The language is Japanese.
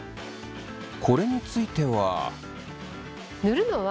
これについては？